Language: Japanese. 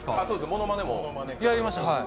ものまねもやりましたしね。